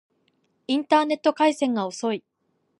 インターネット回線が遅い